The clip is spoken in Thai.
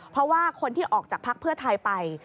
เพราะว่าคนที่ออกจากพักเพื่อไทยไป